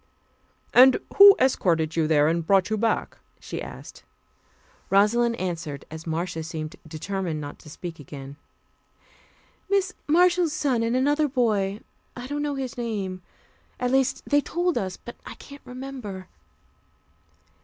"And who escorted you there, and brought you back?" she asked. Rosalind answered, as Marcia seemed determined not to speak again. "Mrs. Marshall's son and another boy; I don't know his name. At least, they told us, but I can't remember."